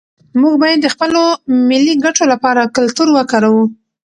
موږ باید د خپلو ملي ګټو لپاره کلتور وکاروو.